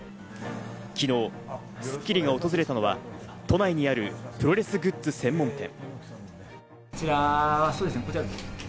昨日『スッキリ』が訪れたのは都内にあるプロレスグッズ専門店。